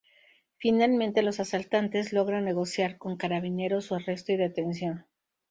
Finalmente los asaltantes logran negociar con Carabineros su arresto y detención.